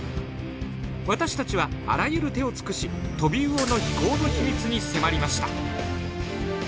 私たちはあらゆる手を尽くしトビウオの飛行の秘密に迫りました。